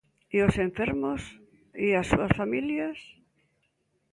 E os enfermos e as súas familias?